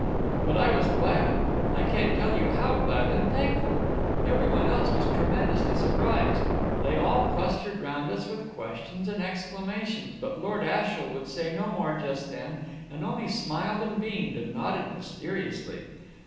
But I was glad. I can't tell you how glad and thankful. Every one else was tremendously surprised. They all clustered round us with questions and exclamations, but Lord Ashiel would say no more just then, and only smiled and beamed, and nodded mysteriously.